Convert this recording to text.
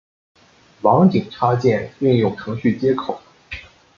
网景插件应用程序接口。